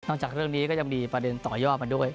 จากเรื่องนี้ก็ยังมีประเด็นต่อยอดมาด้วย